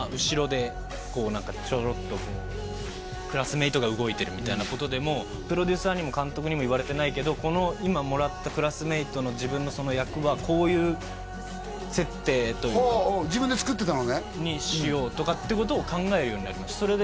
後ろで何かちょろっとこうクラスメイトが動いてるみたいなことでもプロデューサーにも監督にも言われてないけどこの今もらったクラスメイトの自分のその役はこういう設定というか自分で作ってたのね？にしようとかってことを考えるようになりました